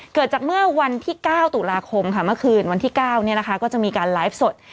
เกิดจากเมื่อวันที่๙ตุลาคมค่ะเมื่อคืนวันที่๙ก็จะมีการไลฟ์สด